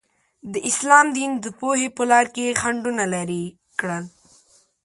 د اسلام دین د پوهې په لاره کې خنډونه لرې کړل.